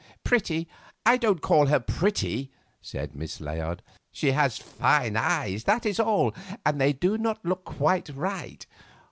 "Pretty! I don't call her pretty," said Miss Layard; "she has fine eyes, that is all, and they do not look quite right.